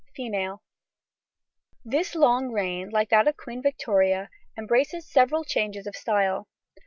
FEMALE. This long reign, like that of Queen Victoria, embraces several changes of style.